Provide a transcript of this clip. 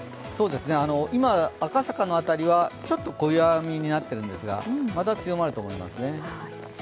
今、赤坂の辺りはちょっと小やみになっていますがまた強まると思いますね。